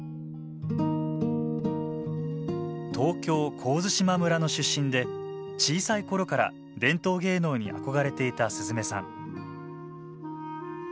東京・神津島村の出身で小さい頃から伝統芸能に憧れていたすずめさん